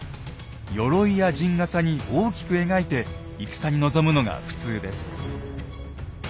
よろいや陣がさに大きく描いて戦に臨むのが普通です。